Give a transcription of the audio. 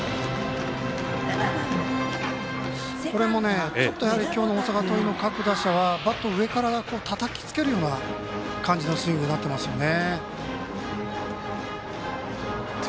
これもね、ちょっと今日の大阪桐蔭の各打者バットを上からたたきつけるような感じのスイングになっていますよね。